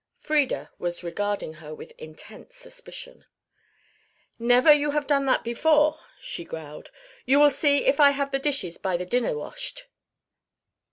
Frieda was regarding her with intense suspicion. "Never you have done that before," she growled. "You will see if I have the dishes by the dinner washed."